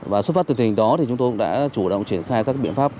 và xuất phát từ tình hình đó thì chúng tôi cũng đã chủ động triển khai các biện pháp